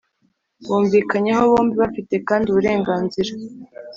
Bumvikanyeho bombi bafite kandi uburenganzira